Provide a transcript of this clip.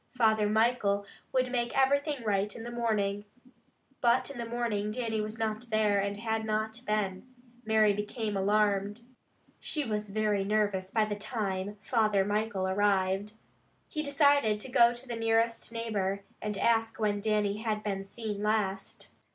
Father Michael would make everything right in the morning. But in the morning Dannie was not there, and had not been. Mary became alarmed. She was very nervous by the time Father Michael arrived. He decided to go to the nearest neighbor, and ask when Dannie had been seen last.